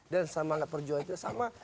dan semangat perjuangannya sama